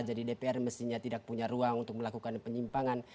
jadi dpr mestinya tidak punya ruang untuk melakukan penyimpangan